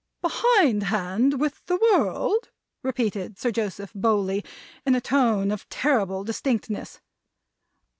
"Behind hand with the world!" repeated Sir Joseph Bowley, in a tone of terrible distinctness.